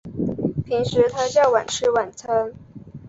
平时他较晚吃晚餐